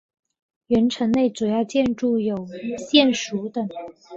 原城内主要建筑有县署等。